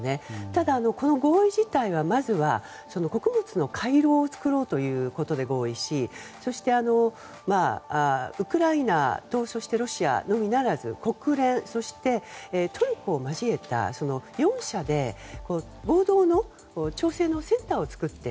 ただ、合意自体はまずは穀物の回廊を作ろうということで合意しそして、ウクライナとロシアのみならず国連、そしてトルコを交えた４者で合同の調整のセンターを作って